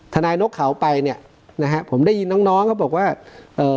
นายกเขาไปเนี่ยนะฮะผมได้ยินน้องน้องเขาบอกว่าเอ่อ